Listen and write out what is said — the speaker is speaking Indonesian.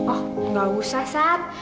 oh enggak usah sar